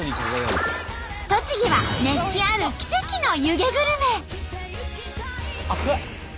栃木は熱気ある奇跡の湯気グルメ。